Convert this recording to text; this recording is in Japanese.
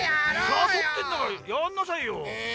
さそってんだからやんなさいよ。え。